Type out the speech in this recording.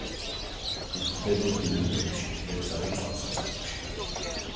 გვხვდება მდინარეებში, ტბებსა და წყალსაცავებში.